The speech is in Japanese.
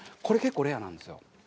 これ結構レアなんですよ。